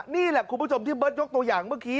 นี่แหละคุณผู้ชมที่เบิร์ตยกตัวอย่างเมื่อกี้